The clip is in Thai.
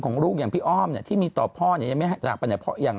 ลูกอย่างพี่อ้อมเนี่ยที่มีต่อพ่อเนี่ยยังไม่จากไปไหนเพราะอย่าง